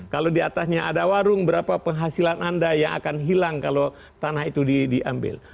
kalau diatasnya ada warung berapa penghasilan anda yang akan hilang kalau tanah itu diambil